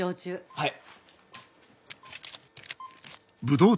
はい。